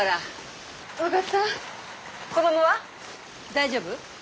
大丈夫？